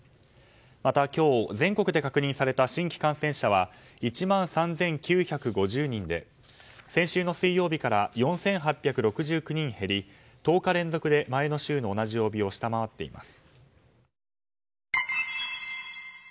また今日、全国で確認された新規感染者は１万３９５０人で先週の水曜日から４８６９人減り１０日連続で前の週の同じ曜日を下回っています。